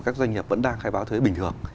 các doanh nghiệp vẫn đang khai báo thuế bình thường